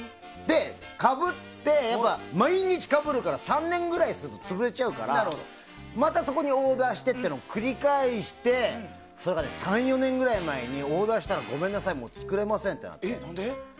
で、毎日かぶるから３年ぐらいすると潰れちゃうからまたそこにオーダーしてっていうのを繰り返してそれが３４年ぐらい前にオーダーしたらごめんなさいもう作れませんってなって。